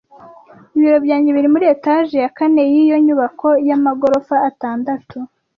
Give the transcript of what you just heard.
Ibiro byanjye biri muri etage ya kane yiyo nyubako yamagorofa atandatu.